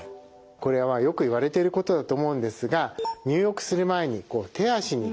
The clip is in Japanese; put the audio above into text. これはよく言われていることだと思うんですが入浴する前に手足にかけ湯をしてください。